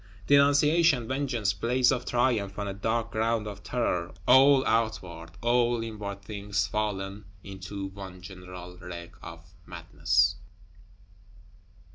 Denunciation, vengeance; blaze of triumph on a dark ground of terror; all outward, all inward things fallen into one general wreck of madness!